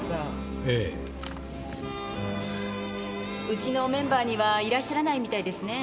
うちのメンバーにはいらっしゃらないみたいですね。